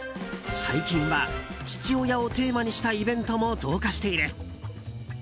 最近は父親をテーマにしたイベントも増加している。